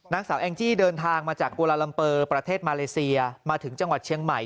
นางสาวแองจี้เดินทางมาจากกุลาลัมเปอร์ประเทศมาเลเซียมาถึงจังหวัดเชียงใหม่